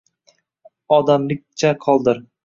Odamlikcha qoldir.